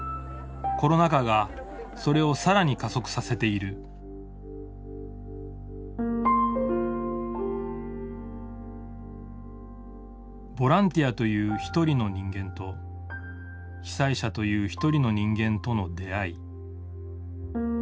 コロナ禍がそれを更に加速させているボランティアという一人の人間と被災者という一人の人間との出会い。